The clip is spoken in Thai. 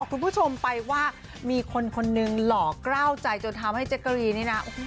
คุณผู้ชมไปว่ามีคนคนหนึ่งหล่อกล้าวใจจนทำให้เจ๊กกะรีนนี่นะ